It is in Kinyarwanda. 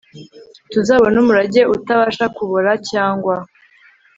tuzabone umurage utabasha kubora cyangwa